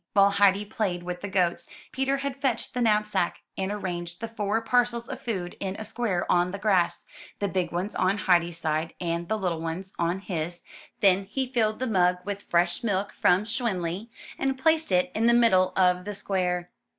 While Heidi played with the goats, Peter had fetched the knapsack, and arranged the four parcels of food in a square on the grass, the big ones on Heidi's side, and the little ones on his; then he filled the mug with fresh milk from Schwanli, and placed it in the middle of the square.